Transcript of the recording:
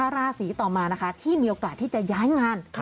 ราศีต่อมานะคะที่มีโอกาสที่จะย้ายงาน